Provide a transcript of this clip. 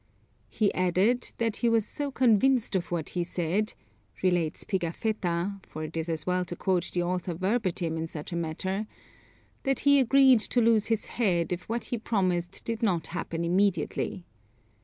"He added that he was so convinced of what he said," relates Pigafetta for it is as well to quote the author verbatim in such a matter "that he agreed to lose his head if what he promised did not happen immediately.